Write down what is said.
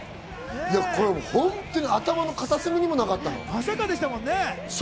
本当に頭の片隅にもなかったまさかでしたもんね。